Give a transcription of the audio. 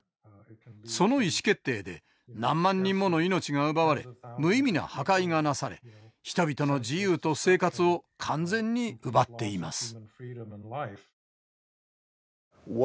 その意思決定で何万人もの命が奪われ無意味な破壊がなされ人々の自由と生活を完全に奪っています。